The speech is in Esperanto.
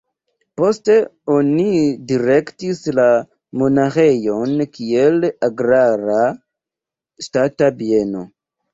Poste oni direktis la monaĥejon kiel agrara ŝtata bieno.